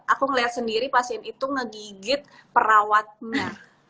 aku ngeliat sendiri pasien itu ngegigit perawatnya